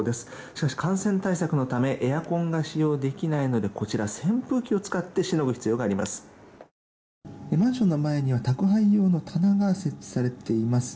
しかし、感染対策のためエアコンが使用できないので扇風機を使ってしのぐ必要があります。